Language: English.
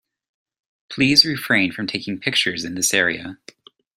Please refrain from taking pictures in this area.